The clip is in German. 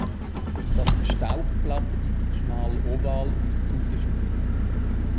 Das Staubblatt ist schmal oval und zugespitzt.